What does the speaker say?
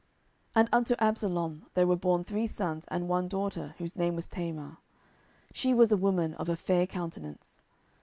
10:014:027 And unto Absalom there were born three sons, and one daughter, whose name was Tamar: she was a woman of a fair countenance.